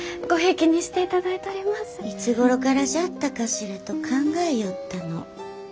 いつごろからじゃったかしらと考えよったの。